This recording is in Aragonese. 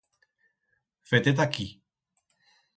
Fe-te ta aquí.